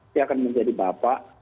dia akan menjadi bapak